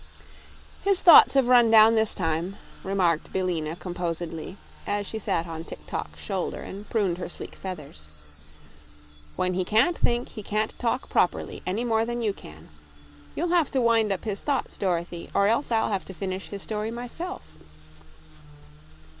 "His thoughts have run down, this time," remarked Billina composedly, as she sat on Tik tok's shoulder and pruned her sleek feathers. "When he can't think, he can't talk properly, any more than you can. You'll have to wind up his thoughts, Dorothy, or else I'll have to finish his story myself."